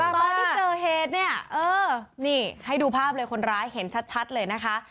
ตอนที่เกิดเหตุเนี่ยเออนี่ให้ดูภาพเลยคนร้ายเห็นชัดเลยนะคะ